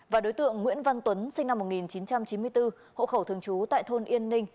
và đối tượng nguyễn văn tuấn sinh năm một nghìn chín trăm chín mươi bốn hộ khẩu thường trú tại thôn yên ninh